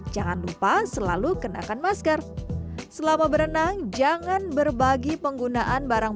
jangan lupa selalu kenakan masker selama berenang jangan berbagi penggunaan barang